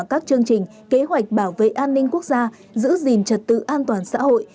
các chương trình kế hoạch bảo vệ an ninh quốc gia giữ gìn trật tự an toàn xã hội